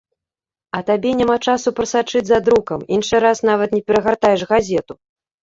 А табе няма часу прасачыць за друкам, іншы раз нават не перагартаеш газету.